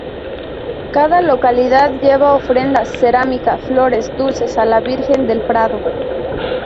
Cada localidad lleva ofrendas —cerámica, flores, dulces— a la Virgen del Prado.